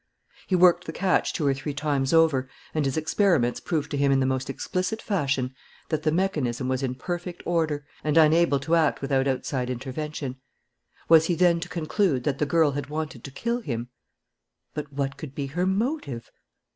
He worked the catch two or three times over, and his experiments proved to him in the most explicit fashion that the mechanism was in perfect order and unable to act without outside intervention. Was he then to conclude that the girl had wanted to kill him? But what could be her motive?